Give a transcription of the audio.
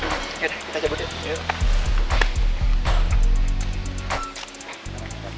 oke deh kita cabut ya